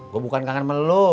gue bukan kangen sama lu